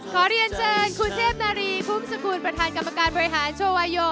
ขอเรียนเชิญคุณเทพนารีพุ่มสกุลประธานกรรมการบริหารโชวาโย